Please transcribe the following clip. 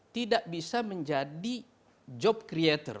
tidak bisa menjadi job creator